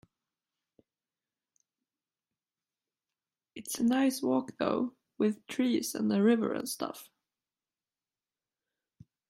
It's a nice walk though, with trees and a river and stuff.